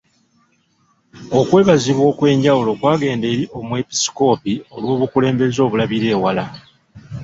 Okwebazibwa okw'enjawulo kwagenda eri Omwepiskoopi olw'obukulembeze obulabira ewala.